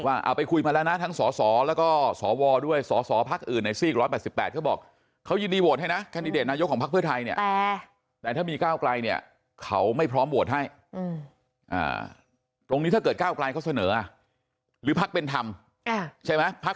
ว่าเอาไปคุยมาแล้วนะทั้งสสและก็ขวด้วยศศพรรษฐกิจ